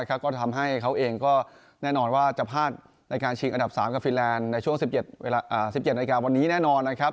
ก็ทำให้เขาเองก็แน่นอนว่าจะพลาดในการชิงอันดับ๓กับฟีแลนด์ในช่วง๑๗นาทีวันนี้แน่นอนนะครับ